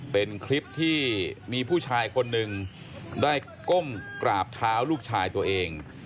เป็นคลิปที่มีผู้ชายคนหนึ่งได้ก้มกราบเท้าลูกชายตัวเอง